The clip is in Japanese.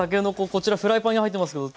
こちらフライパンに入ってますけど。